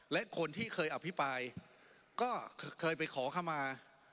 และคนที่เคยอภิปรายก็เคยไปขอเข้ามา